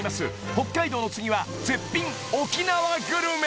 北海道の次は絶品沖縄グルメ